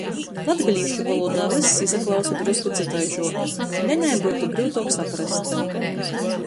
Latgalīšu volūdā vyss izaklausa drusku cytaižuok, Lenei byutu gryutuok saprast.